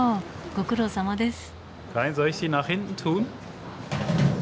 ご苦労さまです。